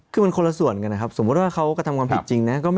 คือมันคนละส่วนกันนะครับสมมุติว่าเขากระทำความผิดจริงนะ